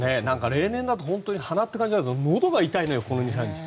例年だと鼻って感じだけどのどが痛いのよ、この２３日。